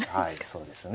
そうですね。